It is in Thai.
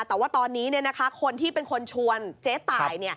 แต่ว่าตอนนี้คนที่เป็นคนชวนเจ๊ตาย